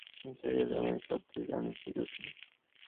গাড়ির এলার্মের শব্দে আমি জেগে উঠি।